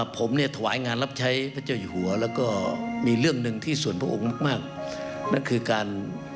ผมเนี่ยถ่วงงานรับใช้ท่าเจ้าอยู่แล้วก็มีเรื่องหนึ่งที่ส่วนพวกมากนั้นคือการ